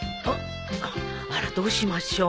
あっあらどうしましょう。